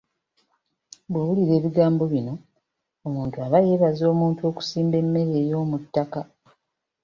"Bw’owulira ebigambo bino, omuntu aba yeebaza omuntu okusimba emmere ey’omuttaka."